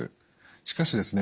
しかしですね